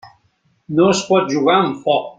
No es pot jugar amb foc.